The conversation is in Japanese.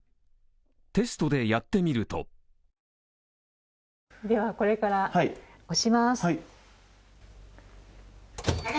テストでやってみるとではこれから、押します。